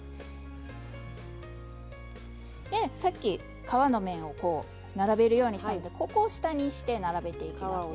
さっき皮の面を並べるようにしたのでここを下にして並べていきますね。